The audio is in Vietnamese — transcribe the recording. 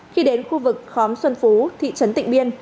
khi đến khu vực khóm xuân phú thị trấn tịnh biên